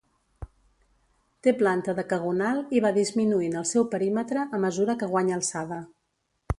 Té planta decagonal i va disminuint el seu perímetre a mesura que guanya alçada.